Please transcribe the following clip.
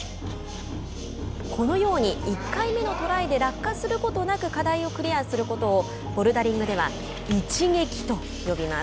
このように１回目のトライで落下することなく課題をクリアすることをボルダリングでは一撃と呼びます。